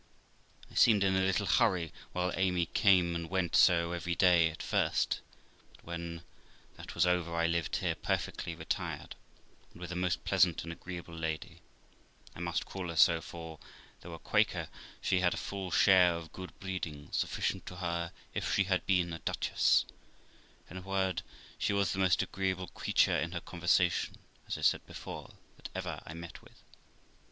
I seemed in a little hurry while Amy came and went so every day at first, but, when that was over, I lived here perfectly retired, and with a most pleasant and agreeable lady; I must call her so, for, though a Quaker, she had a full share of good breeding, sufficient to her if she had been a duchess ; in a word, she was the most agreeable creature in her conversation, as I said before, that ever I met with.